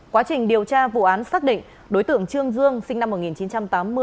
quá trình điều tra vụ án xác định đối tượng trương dương sinh năm một nghìn chín trăm tám mươi